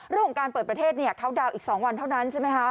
ล่วงการเปิดประเทศเขาดาวค์อีก๒วันเท่านั้นใช่ไหม